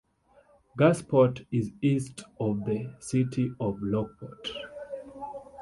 Gasport is east of the City of Lockport.